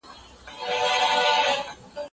ملا پر کټ باندې ارام کوي.